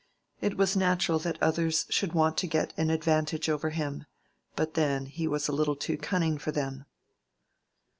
It was natural that others should want to get an advantage over him, but then, he was a little too cunning for them.